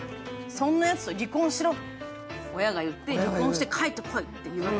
そんなやつと離婚しろと親が言って、離婚して帰ってこいというわけ。